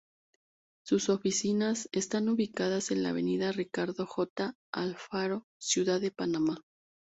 Sus oficinas están ubicadas en la avenida Ricardo J. Alfaro, Ciudad de Panamá.